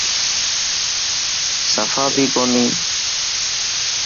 سفا بي ڪوني.